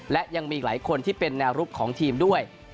และยังมีอีกหลายคนที่เป็นแนวรุกของทีมด้วย